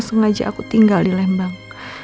sengaja aku tinggal di lembang